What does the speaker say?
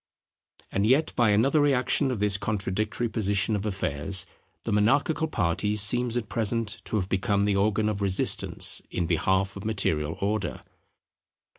And yet by another reaction of this contradictory position of affairs, the monarchical party seems at present to have become the organ of resistance in behalf of material Order.